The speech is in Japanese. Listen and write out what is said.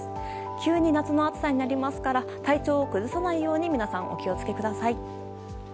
急に夏の暑さになりますから体調を崩さないように皆さん、お気を付けください。